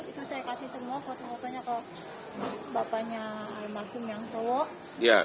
itu saya kasih semua foto fotonya ke bapaknya almarhum yang cowok